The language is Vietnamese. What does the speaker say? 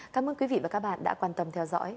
cảm ơn quý vị và các bạn đã quan tâm theo dõi